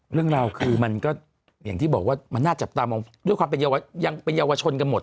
เรื่องราวคือมันก็อย่างที่บอกว่ามันน่าจับตามองด้วยความเป็นยังเป็นเยาวชนกันหมด